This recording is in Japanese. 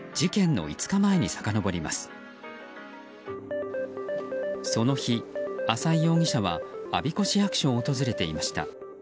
その日、浅井容疑者は我孫子市役所を訪れていました。